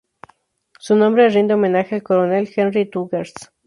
Su nombre rinde homenaje al coronel Henry Rutgers.